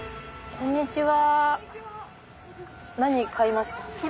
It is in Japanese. こんにちは。